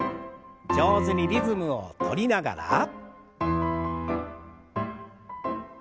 上手にリズムをとりながら。